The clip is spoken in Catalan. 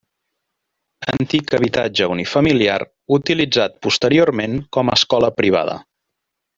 Antic habitatge unifamiliar utilitzat posteriorment com escola privada.